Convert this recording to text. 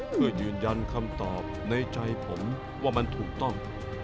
เพื่อยืนยันคำตอบในใจผมว่ามันถูกต้อง